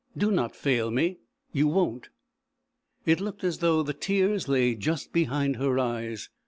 Do not fail me! You won't?" It looked as though the tears lay just behind her eyes.